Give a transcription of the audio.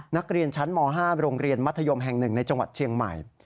นักเรียนชั้นม๕โรงเรียนมัธยมแห่ง๑ในจังหวัดเชียงใหม่